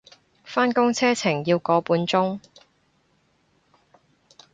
返工車程要個半鐘